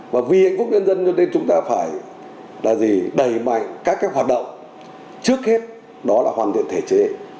và vì hạnh phúc nhân dân cho nên chúng ta phải là gì đẩy mạnh các cái hoạt động trước hết đó là hoàn thiện thể chế